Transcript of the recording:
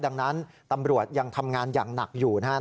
ดังนั้นตำรวจยังทำงานอย่างหนักอยู่นะครับ